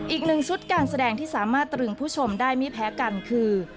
อีกหนึ่งชุดการแสดงที่สามารถตรึงผู้ชมได้ไม่แพ้กันคือ